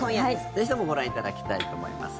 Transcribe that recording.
ぜひともご覧いただきたいと思います。